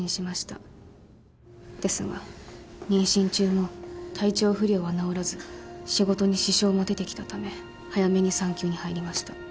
ですが妊娠中も体調不良は治らず仕事に支障も出てきたため早めに産休に入りました。